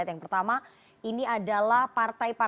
tim liputan cnn indonesia